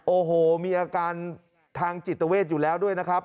โอ้โหมีอาการทางจิตเวทอยู่แล้วด้วยนะครับ